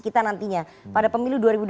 kita nantinya pada pemilu dua ribu dua puluh